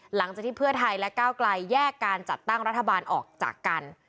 หลังจากที่เพื่อไทยและก้าวไกลแยกการจัดตั้งรัฐบาลออกจากกัน